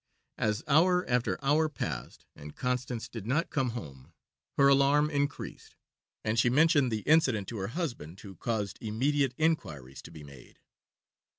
As hour after hour passed and Constance did not come home, her alarm increased, and she mentioned the incident to her husband, who caused immediate inquiries to be made.